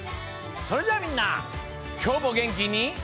それじゃあみんなきょうもげんきに。